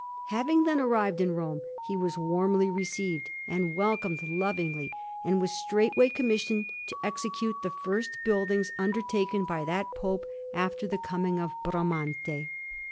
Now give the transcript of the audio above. Having then arrived in Rome, he was warmly received and welcomed lovingly, and was straightway commissioned to execute the first buildings undertaken by that Pope before the coming of Bramante.